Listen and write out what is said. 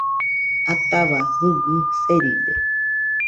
Atahua Jɨgɨ seride